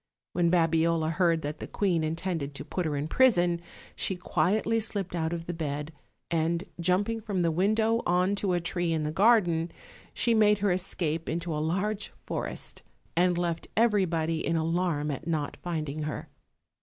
When Babiola heard that the queen intended to put her in prison, she quietly slipped out of the bed, and jumping from the window on to a tree in the garden, she made her escape into a large forest, and left everybody in alarm at not finding her.